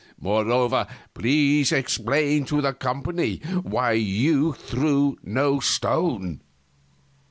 Moreover, please explain to the company why you threw no stone."